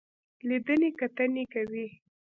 لیدنې کتنې کوي.